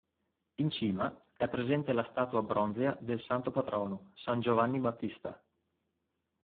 In cima è presente la statua bronzea del santo patrono "San Giovanni Battista".